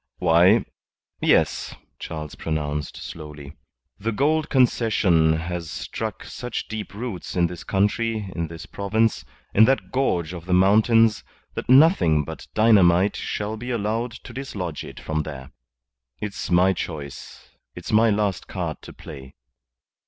"Why, yes," Charles pronounced, slowly. "The Gould Concession has struck such deep roots in this country, in this province, in that gorge of the mountains, that nothing but dynamite shall be allowed to dislodge it from there. It's my choice. It's my last card to play."